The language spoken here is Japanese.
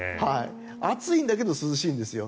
暑いんだけど涼しいんですよ。